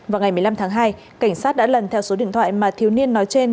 vào ngày một mươi năm tháng hai cảnh sát đã lần theo số điện thoại mà thiếu niên nói trên